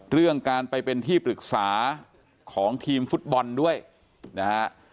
เรื่องการไปเป็นที่ปรึกษาของทีมฟุตบอลด้วยนะฮะ